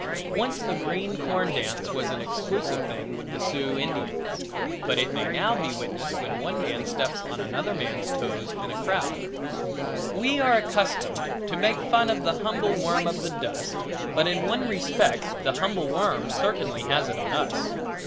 Once the green corn dance was an exclusive thing with the Sioux Indians, but it may now be witnessed when one man steps on another man's toes in a crowd. We are accustomed to make fun of the humble worm of the dust but in one respect the humble worm certainly has it on us.